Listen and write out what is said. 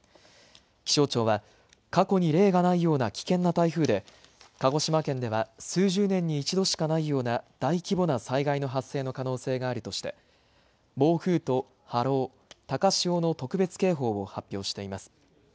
気象庁は過去に例がないような危険な台風で鹿児島県では数十年に一度しかないような大規模な災害の発生の可能性があるとして暴風と波浪、高潮の特別警報を発表しています。